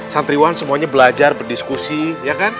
santriwan semuanya belajar berdiskusi ya kan